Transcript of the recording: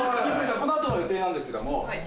この後の予定なんですけども。